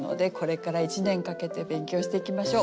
これから１年かけて勉強していきましょう。